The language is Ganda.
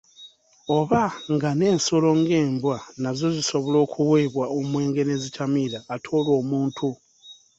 Obanga n'ensolo ng'embwa nazo zisobola okuweebwa omwenge ne zitamiira ate olwo omuntu!